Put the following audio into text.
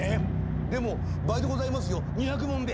でも倍でございますよ二百文で。